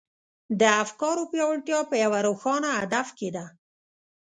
د افکارو پياوړتيا په يوه روښانه هدف کې ده.